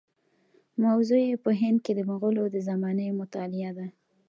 موضوع یې په هند کې د مغولو د زمانې مطالعه ده.